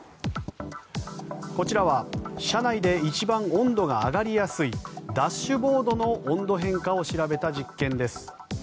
こちらは車内で一番温度が上がりやすいダッシュボードの温度変化を調べた実験です。